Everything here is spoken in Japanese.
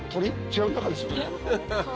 違う中ですよね。